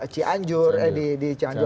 cianjur di cianjur